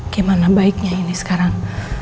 gimana baiknya ini sekarang